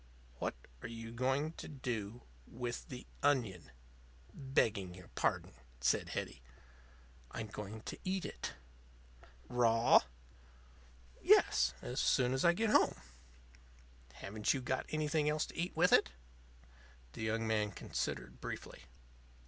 "What are you going to do with the onion? begging your pardon," said Hetty. "I'm going to eat it." "Raw?" "Yes: as soon as I get home." "Haven't you got anything else to eat with it?" The young man considered briefly.